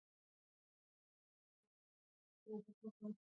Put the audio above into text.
موږ دا نښې هره ورځ وینو.